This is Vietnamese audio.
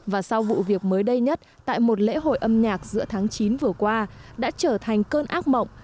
và sau vụ việc mới đây nhất tại một lễ hội âm nhạc giữa tháng chín vừa qua đã trở thành cơn ác mộng